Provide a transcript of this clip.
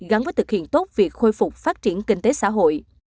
gắn với thực hiện tốt việc khôi phục phát triển kinh tế xã hội